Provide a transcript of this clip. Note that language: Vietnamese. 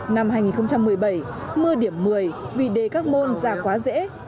năm hai nghìn một mươi bảy mưa điểm một mươi vì đề các môn giảm quá dễ